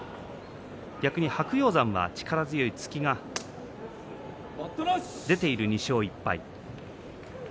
逆に白鷹山は力強い突きが出ていて２勝１敗です。